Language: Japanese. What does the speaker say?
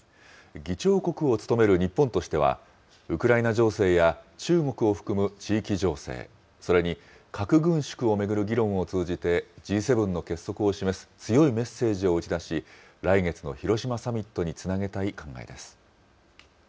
議長国を務める日本としては、ウクライナ情勢や中国を含む地域情勢、それに核軍縮を巡る議論を通じてＧ７の結束を示す強いメッセージを打ち出し、来月の広島サミットにつなげたい考えです。